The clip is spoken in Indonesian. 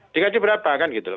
digaji berapa kan gitu loh